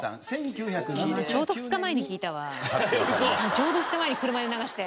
ちょうど２日前に車で流して。